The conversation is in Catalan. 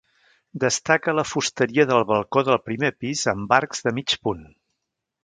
Destaca la fusteria del balcó del primer pis amb arcs de mig punt.